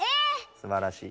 すばらしい。